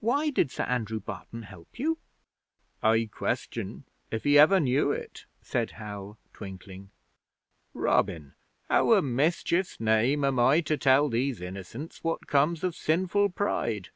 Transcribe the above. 'Why did Sir Andrew Barton help you?' 'I question if he ever knew it,' said Hal, twinkling. 'Robin, how a' mischief's name am I to tell these innocents what comes of sinful pride?'